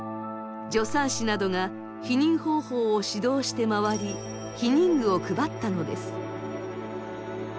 助産師などが避妊方法を指導して回り避妊具を配ったのです。